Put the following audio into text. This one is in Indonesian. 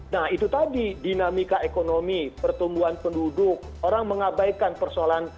nah itu tadi dinamika ekonomi pertumbuhan penduduk orang mengabaikan persoalan